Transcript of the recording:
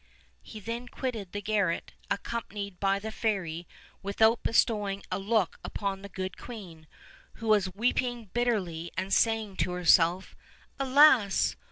He then quitted the garret, accompanied by the fairy, without bestowing a look upon the good queen, who was weeping bitterly and saying to herself: "Alas!